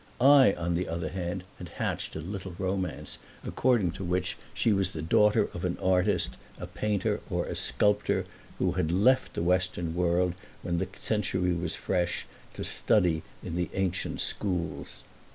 I on the other hand had hatched a little romance according to which she was the daughter of an artist, a painter or a sculptor, who had left the western world when the century was fresh, to study in the ancient schools.